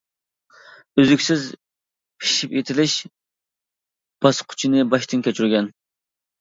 ئۈزلۈكسىز پىشىپ يېتىلىش باسقۇچىنى باشتىن كەچۈرگەن.